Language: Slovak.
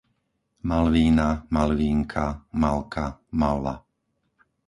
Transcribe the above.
Malvína, Malvínka, Malka, Malva